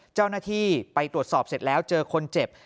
เจ้าหน้าที่ไปตรวจสอบเสร็จแล้วเจอคนเจ็บ